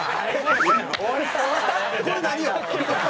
これ何よ？